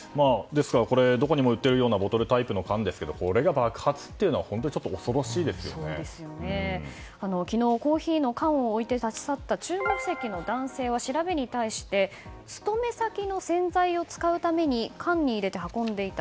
どこにも売ってるようなボトルタイプの缶ですがこれが爆発するとは昨日、コーヒーの缶を置いて立ち去った中国籍の男性は調べに対し勤め先の洗剤を使うために缶に入れて運んでいた。